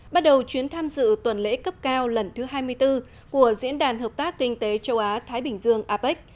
bắt đầu chuyến tham dự tuần lễ cấp cao lần thứ hai mươi bốn của diễn đàn hợp tác kinh tế châu á thái bình dương apec